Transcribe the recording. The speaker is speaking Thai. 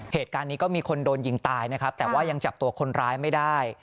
เหตุการณ์นี้ก็มีคนโดนยิงตายนะครับแต่ว่ายังจับตัวคนร้ายไม่ได้